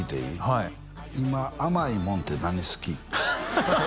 はい今甘いもんって何好き？